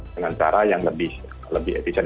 dengan cara yang lebih efisien